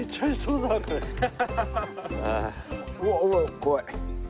うわうわ怖い。